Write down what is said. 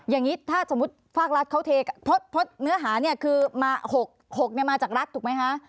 อย่างนี้ถ้าสมมุติภาครัฐเขาเทเพราะเนื้อหาเนี่ยคือมา๖๖มาจากรัฐถูกไหมคะ